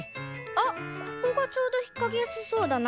あっここがちょうどひっかけやすそうだな。